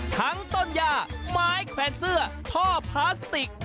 ต้นย่าไม้แขวนเสื้อท่อพลาสติก